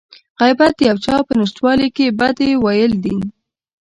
غيبت د يو چا په نشتوالي کې بدي ويل دي.